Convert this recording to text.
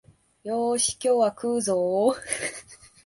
よーし、今日は食うぞお